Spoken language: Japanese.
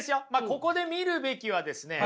ここで見るべきはですね